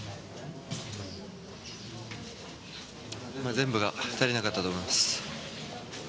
全部が足りなかったと思います。